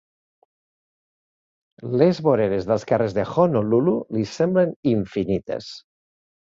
Les voreres dels carrers de Honolulu li semblen infinites.